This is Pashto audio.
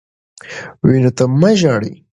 وینو ته مه ژاړه.